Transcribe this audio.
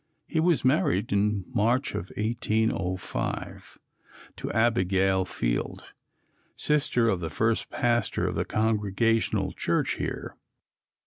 He was married in March, 1805, to Abigail Field, sister of the first pastor of the Congregational church here.